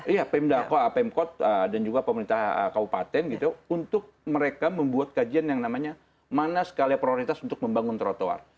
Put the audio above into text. iya pemda pemkot dan juga pemerintah kabupaten gitu untuk mereka membuat kajian yang namanya mana sekali prioritas untuk membangun trotoar